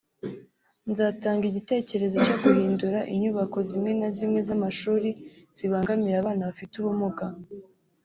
nzatanga igitekerezo cyo guhindura inyubako zimwe na zimwe z’amashuri zibangamira abana bafite ubumuga”